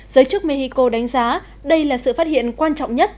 giới chức mexico đánh giá đây là sự phát hiện quan trọng nhất